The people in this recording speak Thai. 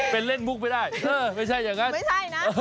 เป็นเล่นมุกไม่ได้ไม่ใช่อย่างนั้นไม่ใช่นะ